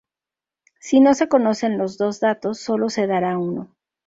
Si no se conocen los dos datos, solo se dará uno.